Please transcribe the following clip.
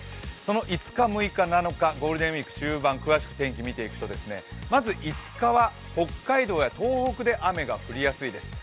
５日、６日、７日、ゴールデンウイーク終盤天気を見ていきますとまず５日は北海道や東北で雨が降りやすいです。